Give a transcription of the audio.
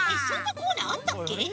コーナーあったっけ？